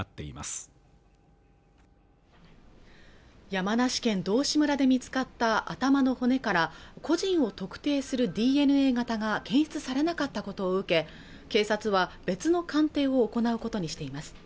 山梨県道志村で見つかった頭の骨から個人を特定するＤＮＡ型が検出されなかったことを受け警察は別の鑑定を行うことにしています